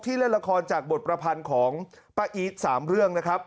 เล่นละครจากบทประพันธ์ของป้าอีท๓เรื่องนะครับ